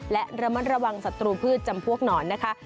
และระมัดระวังศัตรูพืชจำพวกหนอนนะคะ